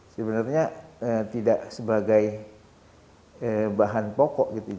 sebenarnya tidak sebagai bahan pokok gitu